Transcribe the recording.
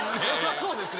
そうですね